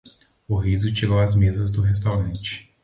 O riso tirou as mesas do restaurante.